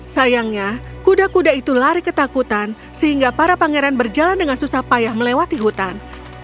sayangnya kuda kuda itu lari ketakutan sehingga para pangeran berjalan dengan susah payah melewati hutan